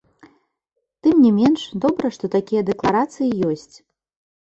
Тым не менш, добра, што такія дэкларацыі ёсць.